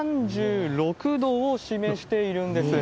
３６度を示しているんです。